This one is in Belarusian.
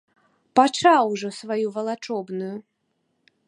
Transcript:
Пачаў ужо сваю валачобную!